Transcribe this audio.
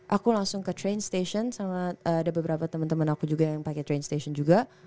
aku langsung ke train station sama ada beberapa teman teman aku juga yang pakai train station juga